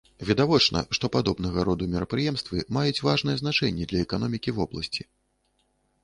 Відавочна, што падобнага роду мерапрыемствы маюць важнае значэнне для эканомікі вобласці.